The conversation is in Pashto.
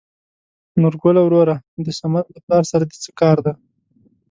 نورګله وروره د سمد له پلار سره د څه کار دى ؟